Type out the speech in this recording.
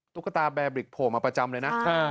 ตุ๊กตาแบร์บริกโผล่มาประจำเลยนะ